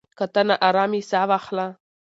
که ته ناارام يې، ساه واخله.